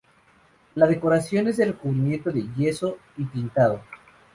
La decoración es de recubrimiento de yeso y pintado.